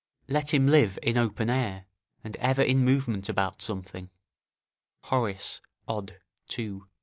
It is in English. ["Let him live in open air, and ever in movement about something." Horace, Od. ii., 3, 5.